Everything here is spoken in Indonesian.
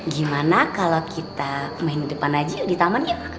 gimana kalau kita main depan aja di taman yuk